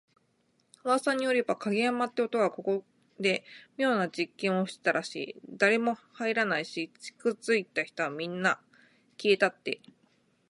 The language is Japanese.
噂によれば、影山って男がここで妙な実験をしてたらしい。誰も入らないし、近づいた人はみんな…消えたって。